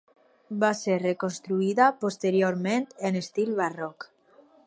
Va ser reconstruïda posteriorment en estil barroc.